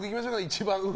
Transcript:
一番上。